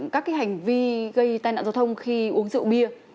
các hành vi gây tai nạn giao thông khi uống rượu bia